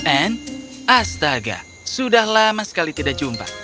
anne astaga sudah lama sekali tidak jumpa